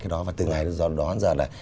cái đó và từ ngày đó đến giờ là